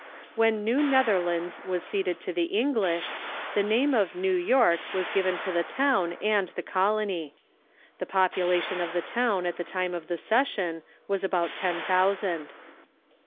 When New Netherlands was ceded to the English, the name of New York was given to the town and the colony. The population of the town at the time of the cession was about ten thousand.